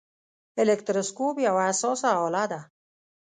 الکتروسکوپ یوه حساسه آله ده.